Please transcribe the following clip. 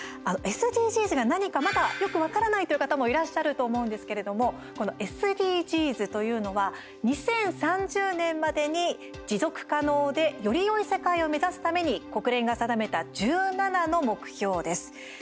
ＳＤＧｓが何かまだよく分からないという方もいらっしゃると思うんですけれどもこのＳＤＧｓというのは２０３０年までに、持続可能でよりよい世界を目指すために国連が定めた１７の目標です。